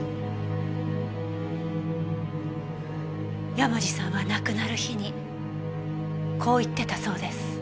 山路さんは亡くなる日にこう言ってたそうです。